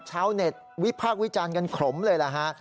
ชาวเน็ตวิพากษ์วิจารณ์กันขลมเลยล่ะฮะ